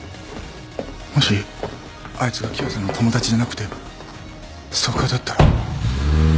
もしあいつが喜和さんの友達じゃなくてストーカーだったら。